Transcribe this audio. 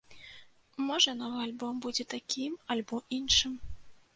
Можа новы альбом будзе такім альбо іншым.